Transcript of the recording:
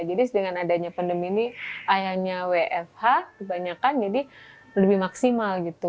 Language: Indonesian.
jadi dengan adanya pandemi ini ayahnya wfh kebanyakan jadi lebih maksimal gitu